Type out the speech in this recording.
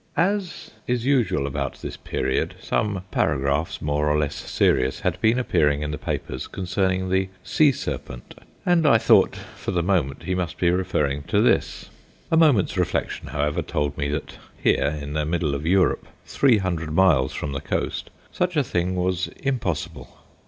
As is usual about this period, some paragraphs, more or less serious, had been appearing in the papers concerning the sea serpent, and I thought for the moment he must be referring to this. A moment's reflection, however, told me that here, in the middle of Europe, three hundred miles from the coast, such a thing was impossible.